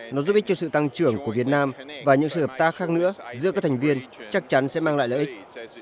nó giúp ích cho sự tăng trưởng của việt nam và những sự hợp tác khác nữa giữa các thành viên chắc chắn sẽ mang lại lợi ích